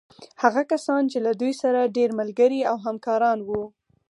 هغه کسان چې له دوی سره ډېر ملګري او همکاران وو.